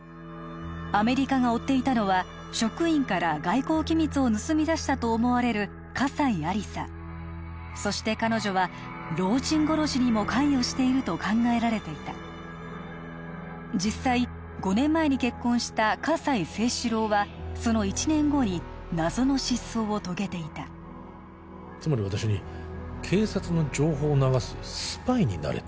アメリカが追っていたのは職員から外交機密を盗み出したと思われる葛西亜理紗そして彼女は老人殺しにも関与していると考えられていた実際５年前に結婚した葛西征四郎はその１年後に謎の失踪を遂げていたつまり私に警察の情報を流すスパイになれと？